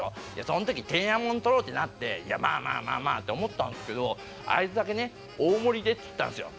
そん時店屋物取ろうってなっていやまあまあまあまあって思ったんすけどあいつだけね「大盛りで」って言ったんすよ。